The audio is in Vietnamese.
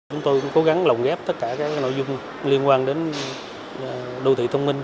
chúng tôi cũng cố gắng lồng ghép tất cả các nội dung liên quan đến đô thị thông minh